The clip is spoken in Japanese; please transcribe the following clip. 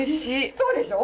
そうでしょ。